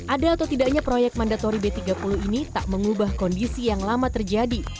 ada atau tidaknya proyek mandatori b tiga puluh ini tak mengubah kondisi yang lama terjadi